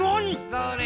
それ！